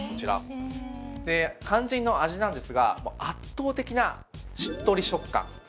で肝心の味なんですが圧倒的なしっとり食感。